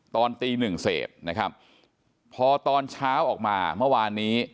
ตอนตีหนึ่งเศษนะครับพอตอนเช้าออกมาเมื่อวานนี้